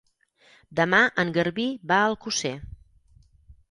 Demà en Garbí va a Alcosser.